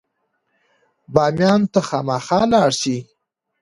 بامیان ته خامخا لاړ شئ.